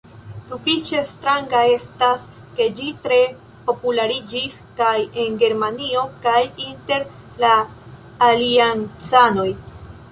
Sufiĉe stranga estas ke ĝi tre populariĝis kaj en Germanio kaj inter la aliancanoj.